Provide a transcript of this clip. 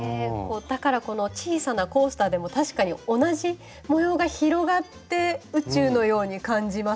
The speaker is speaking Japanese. だからこの小さなコースターでも確かに同じ模様が広がって宇宙のように感じますね。